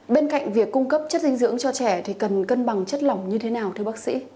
bên cạnh việc cung cấp chất dinh dưỡng cho trẻ thì cần cân bằng chất lỏng như thế nào thưa bác sĩ